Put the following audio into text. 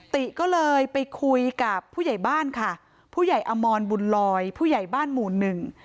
ติก็เลยไปคุยกับผู้ใหญ่บ้านค่ะผู้ใหญ่อมรบุญลอยผู้ใหญ่บ้านหมู่หนึ่ง